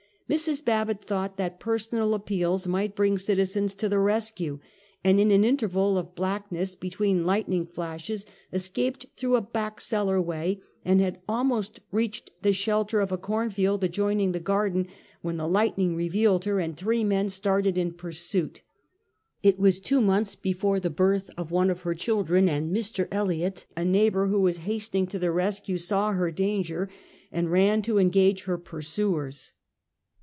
Mrs. Babbitt thought that personal appeals might bring citizens to the rescue, and in an interval of black darkness between lightning fiashes, escaped through a back cellar way, and had almost reached the shelter of a cornfield adjoining the garden, when the lightning revealed her and three men started in pursuit. It was two months before the birth of one of her chil dren, and Mr. Elliott, a neighbor who was hastening to the rescue, sav/ her danger and ran to engage her pursuers.